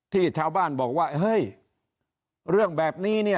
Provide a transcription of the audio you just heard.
ที่ชาวบ้านบอกว่าเฮ้ยเรื่องแบบนี้เนี่ย